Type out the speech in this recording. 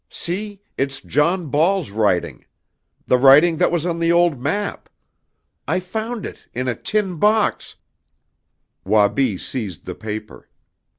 See, it's John Ball's writing the writing that was on the old map! I found it in a tin box " Wabi seized the paper.